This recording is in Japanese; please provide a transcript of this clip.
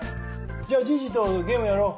じゃあじいじとゲームやろう！